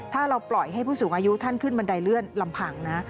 ถ้าเราปล่อยให้ผู้สูงอายุท่านขึ้นบันไดเลื่อนลำพังนะ